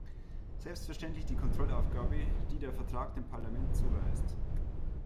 Selbstverständlich die Kontrollaufgabe, die der Vertrag dem Parlament zuweist.